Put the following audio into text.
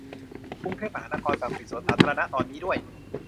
กรุงเทพมหานครสั่งปิดสวนสาธารณะตอนนี้ด้วย